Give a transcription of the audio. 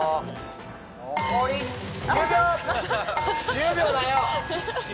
１０秒だよ！